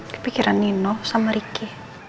kepikiran nino sama riki